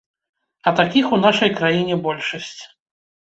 А такіх у нашай краіне большасць.